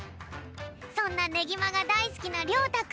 そんなねぎまがだいすきなりょうたくん。